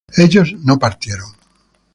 ellos no partieron